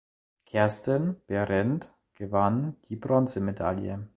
Kerstin Behrendt gewann die Bronzemedaille.